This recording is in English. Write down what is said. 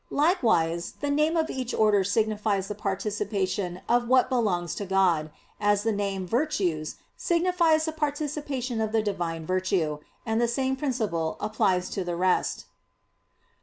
Likewise the name of each order signifies the participation of what belongs to God; as the name "Virtues" signifies the participation of the Divine virtue; and the same principle applies to the rest.